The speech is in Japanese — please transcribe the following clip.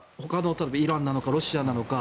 例えば、イランなのかロシアなのか。